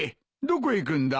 どこへ行くんだ？